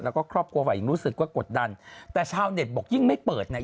แล้วก็ครอบครัวฝ่ายหญิงรู้สึกว่ากดดันแต่ชาวเน็ตบอกยิ่งไม่เปิดเนี่ย